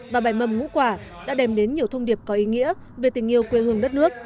và bài mầm ngũ quả đã đem đến nhiều thông điệp có ý nghĩa về tình yêu quê hương đất nước